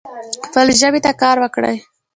خپلې ژبې ته کار وکړئ